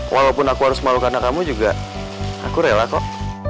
walaupun aku harus malu karena kamu juga aku rela kok